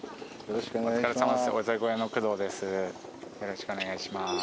よろしくお願いします